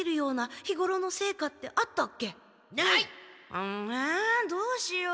うんどうしよう。